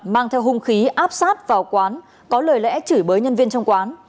mang theo hung khí áp sát vào quán có lời lẽ chửi bới nhân viên trong quán